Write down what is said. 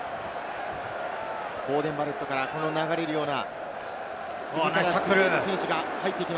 ボーデン・バレットから流れるような。